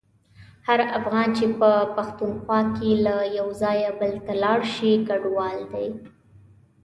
هر افغان چي په پښتونخوا کي له یو ځایه بل ته ولاړشي کډوال دی.